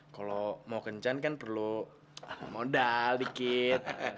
kalau mau kencan kan perlu modal dikit